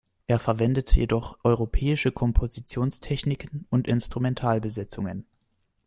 Er verwendet jedoch europäische Kompositionstechniken und Instrumental-Besetzungen.